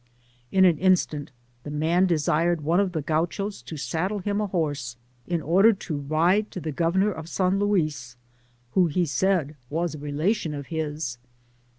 In an instant, the man desired one of the Gauchos to saddle him a horse, in order to ride to the Governor of San Luis, who he said was a relation of his, and.